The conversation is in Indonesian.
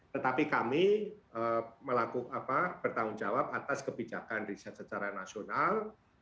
tetapi kami bertanggung jawab atas kebijakan riset secara nasional